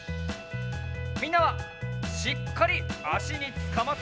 みんなはしっかりあしにつかまって！